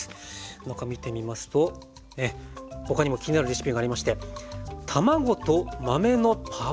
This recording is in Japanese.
中見てみますと他にも気になるレシピがありまして卵と豆のパワーサラダ。